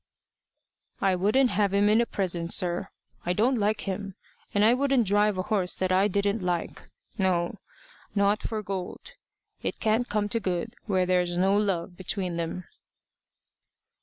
"I wouldn't have him in a present, sir. I don't like him. And I wouldn't drive a horse that I didn't like no, not for gold. It can't come to good where there's no love between 'em."